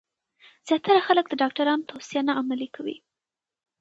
زیاتره خلک د ډاکټرانو توصیه عملي نه کوي.